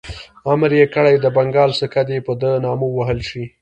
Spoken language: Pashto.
امر یې کړی د بنګال سکه دي په ده نامه ووهل شي.